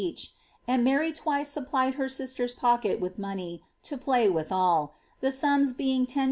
each; and Mary twice supplied her sisier'^s pocket with money to ^* play withaK'^ tlie sums being 10s.